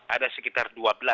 ada sekitar dua belas